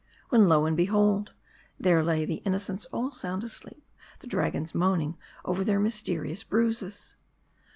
When, lo and behold ! there lay the in nocents all sound asleep; the dragons moaning over their mysterious bruises.